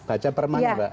baca permanya pak